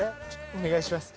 お願いします。